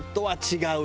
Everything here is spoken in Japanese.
違う！